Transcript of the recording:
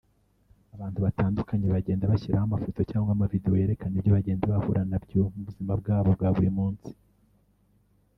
abantu batandukanye bagenda bashyiraho amafoto cyangwa amavideo yerekana ibyo bagenda bahura nabyo mu buzima bwabo bwa buri munsi